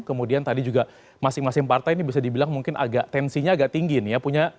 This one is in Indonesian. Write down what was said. kemudian tadi juga masing masing partai ini bisa dibilang mungkin agak tensinya agak tinggi ini ya